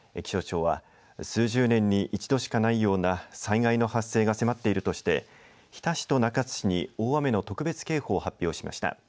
気象庁は数十年に一度しかないような災害の発生が迫っているとして日田市と中津市に大雨の特別警報を発表しました。